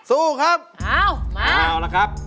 จริง